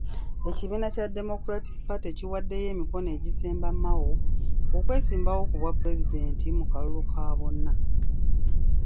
Ekibiina kya Democratic Party kiwaddeyo emikono egisemba Mao, okwesimbawo ku bwapulezidenti mu kalulu ka bonna